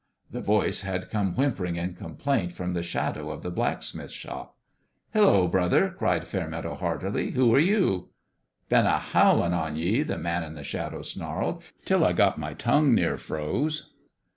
The voice had come whimpering in complaint from the shadow of the blacksmith's shop. "Hello, brother!" cried Fairmeadow, heartily. " Who are j^? " "Been a howlin' on ye," the man in the shadow snarled, " 'til I got my tongue near froze